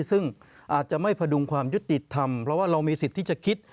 ซึ่งอาจจะไม่พดุงความยุติธรรมเพราะว่าเรามีสิทธิ์ที่จะคิด